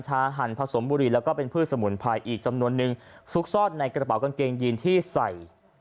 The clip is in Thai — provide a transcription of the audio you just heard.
หั่นผสมบุรีแล้วก็เป็นพืชสมุนไพรอีกจำนวนนึงซุกซ่อนในกระเป๋ากางเกงยีนที่ใส่